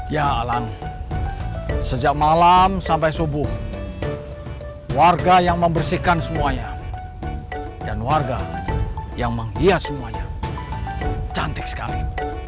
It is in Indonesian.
ya alan sejak malam sampai subuh warga yang membersihkan semuanya dan warga yang menghias semuanya cantik sekali